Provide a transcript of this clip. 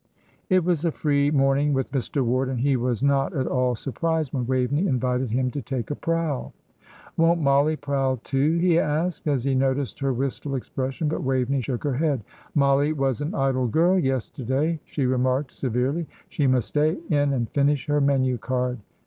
It was a free morning with Mr. Ward, and he was not at all surprised when Waveney invited him to take a prowl. "Won't Mollie prowl, too?" he asked, as he noticed her wistful expression. But Waveney shook her head. "Mollie was an idle girl yesterday," she remarked, severely; "she must stay in and finish her menu card.